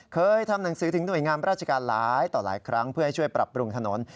เคยทำหนังสือถึงหน่วยงานราชการหลายต่อหลายครั้งเพื่อให้ช่วยปรับปรุงถนน